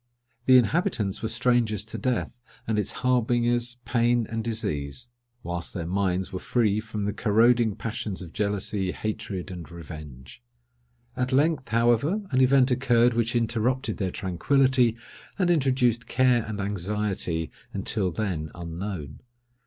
The inhabitants were strangers to death, and its harbingers, pain and disease; whilst their minds were free from the corroding passions of jealousy, hatred, and revenge. At length, however, an event occurred which interrupted their tranquillity, and introduced care and anxiety, until then unknown.